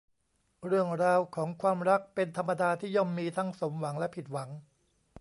เรื่องราวของความรักเป็นธรรมดาที่ย่อมมีทั้งสมหวังและผิดหวัง